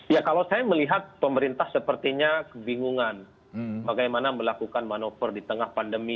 ya kalau saya melihat pemerintah sepertinya kebingungan bagaimana melakukan manuver di tengah pandemi